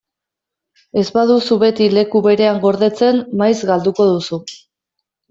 Ez baduzu beti leku berean gordetzen, maiz galduko duzu.